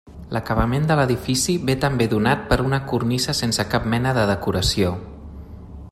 L'acabament de l'edifici ve també donat per una cornisa sense cap mena de decoració.